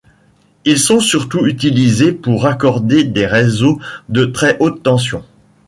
Ils sont surtout utilisés pour raccorder des réseaux de très haute tension.